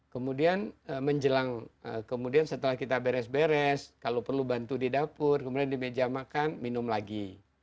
kemudian menjelang kemudian setelah kita beres beres kalau perlu bantu di dapur kemudian di meja makan minum lagi